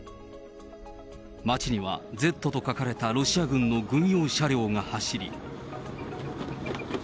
町にはＺと書かれたロシア軍の軍用車両が走り。